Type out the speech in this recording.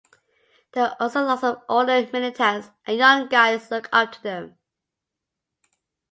There are also lots of older militants and young guys look up to them.